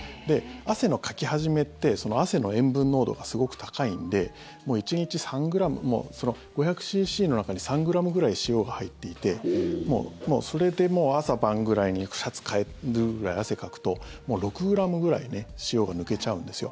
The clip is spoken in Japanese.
汗のかき始めって汗の塩分濃度がすごく高いんでもう１日３ｇ５００ｃｃの中に３ｇぐらい塩が入っていてもうそれで朝晩ぐらいにシャツ替えるくらい汗かくともう６ｇぐらい塩が抜けちゃうんですよ。